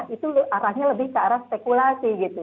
itu arahnya lebih ke arah spekulasi gitu